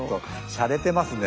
しゃれてますね。